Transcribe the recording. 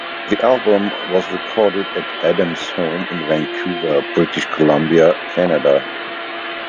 The album was recorded at Adams' home in Vancouver, British Columbia, Canada.